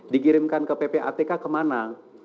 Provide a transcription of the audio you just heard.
dikirimkan ke ppatk kemana